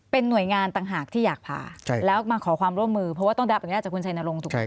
เป็นหน่วยงานต่างหากที่อยากพาแล้วมาขอความร่วมมือเพราะว่าต้องได้รับอนุญาตจากคุณชัยนรงค์ถูกไหม